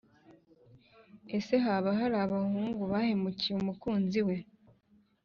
ese haba hari abahungu bahemukiye umukunzi we?